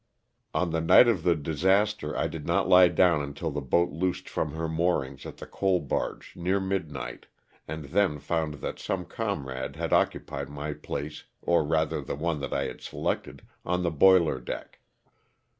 On the night of the disaster I did not lie down until the boat loosed from her moorings at the coal barge near midnight, and then found that some comrade had occupied my place or rather the one that I had selected on the boiler deck.